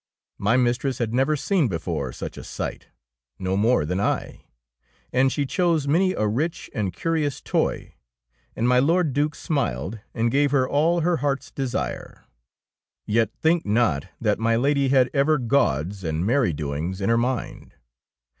My mistress had never seen before such a sight, no more than I ; and she 42 THE KOBE OF THE DUCHESS chose many a rich and curious toy, and my Lord Due smiled, and gave her all her hearths desire. Yet think not that my Lady had ever gauds and merry doings in her mind.